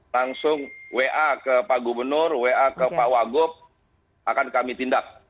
langsung wa ke pak gubernur wa ke pak wagub akan kami tindak